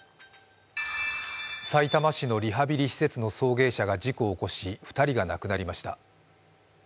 さいたま市のリハビリ施設の送迎車が事故を起こし、２人が亡くなりました。